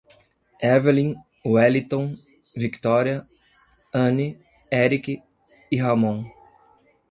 Évelyn, Welliton, Victória, Anne, Eric e Ramom